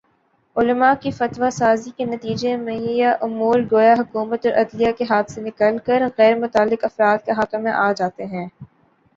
علما کی فتویٰ سازی کے نتیجے میںیہ امور گویا حکومت اورعدلیہ کے ہاتھ سے نکل کر غیر متعلق افراد کے ہاتھوں میں آجاتے ہیں